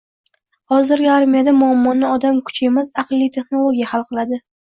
Hozirgi armiyada muammoni odam kuchi emas, aqlli texnologiya hal qiladi